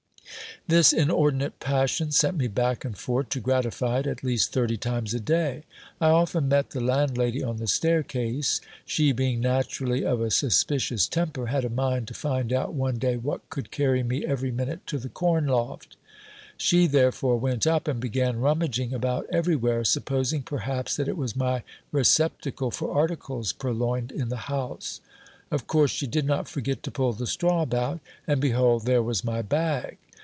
This inordinate passion sent me back and fore to gratify it, at least thirty times a day. I often met the landlady on the staircase. She, being naturally of a suspicious temper, had a mind to find out one day what could carry me 368 GIL BLAS. every minute to the corn loft. She therefore went up and began rummaging about everywhere, supposing perhaps that it was my receptacle for articles pur loined in the house. Of course she did not forget to pull the straw about ; and behold, there was my bag